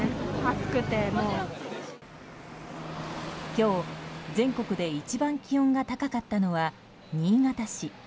今日、全国で一番気温が高かったのは新潟市。